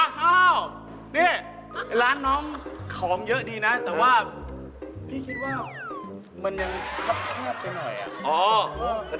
อ้าวนี่ร้านน้องของเยอะดีนะแต่ว่าพี่คิดว่ามันยังครับแคบไปหน่อย